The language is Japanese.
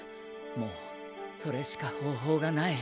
もうそれしか方法がない。